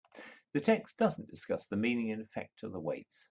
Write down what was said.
The text does not discuss the meaning and effect of the weights.